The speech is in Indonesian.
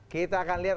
kita akan lihat